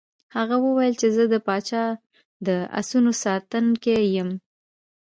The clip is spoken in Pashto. هغه وویل چې زه د پاچا د آسونو ساتونکی یم.